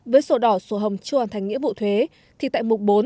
với sổ đỏ sổ hồng chưa hoàn thành nghĩa vụ thuế thì tại mục bốn